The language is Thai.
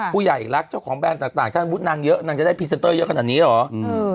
ผู้ใหญ่รักเจ้าของแบรนด์ต่างถ้าสมมุตินางเยอะนางจะได้พรีเซนเตอร์เยอะขนาดนี้เหรอ